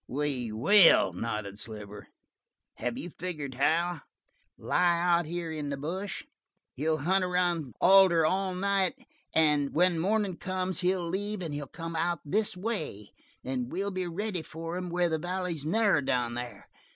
"We will," nodded Sliver. "Have you figured how?" "Lie out here in the bush. He'll hunt around Alder all night and when the mornin' comes he'll leave and he'll come out this way. We'll be ready for him where the valley's narrow down there.